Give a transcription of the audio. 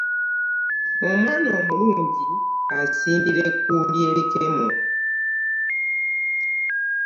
Omwana omulungi asimbira ekkuuli ebikemo.